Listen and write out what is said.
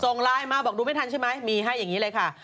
ส่งไลน์มาบอกดูไม่ทันใช่ไหมมีให้อย่างนี้เลยค่ะ